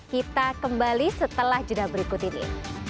kita kembali setelah jeda berikut ini